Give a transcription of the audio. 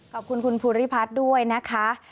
ขอบคุณคุณภูริพัฒน์ด้วยนะคะ